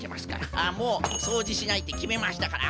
あっもうそうじしないってきめましたから！